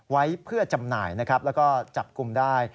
ไว้เพื่อจำหน่ายนะครับแล้วก็จับกลุ่มได้